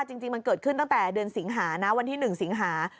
จริงมันเกิดขึ้นตั้งแต่เดือนสิงหานะวันที่๑สิงหา